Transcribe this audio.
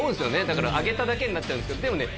だから揚げただけになっちゃうんですけどでもね